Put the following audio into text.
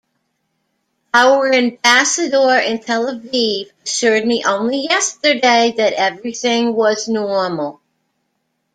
Our ambassador in Tel Aviv assured me only yesterday that everything was normal.